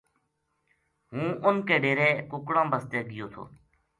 ہوں اُنھ کے ڈیرے کُکڑاں بسطے گیو تھو